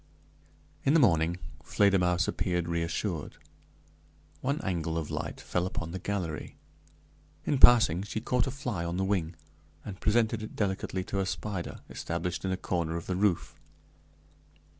In the morning Fledermausse appeared reassured. One angle of light fell upon the gallery. In passing, she caught a fly on the wing, and presented it delicately to a spider established in a corner of the roof.